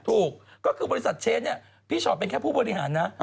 ถูกก็คือบริษัทเชฟเนี่ยพี่ชอตเป็นแค่ผู้บริหารนะ